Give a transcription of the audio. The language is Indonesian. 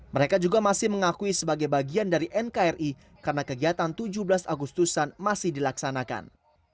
mereka juga masih mengakui sebagai bagian dari nkri karena kegiatan tujuh belas agustusan masih dilaksanakan